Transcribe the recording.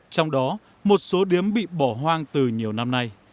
trong đó một số điếm bị bỏ hoang từ nhiều năm nay